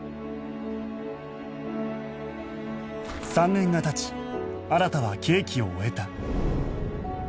３年が経ち新は刑期を終えた